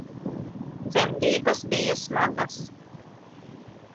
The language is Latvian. Dzemdības bija smagas